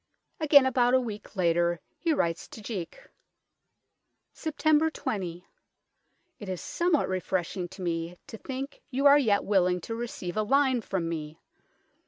Again a week later he writes to Jeake " Sept. 20. It is somewhat refreshing to mee to thinke you are yet willing to receive a line from mee.